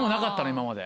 今まで。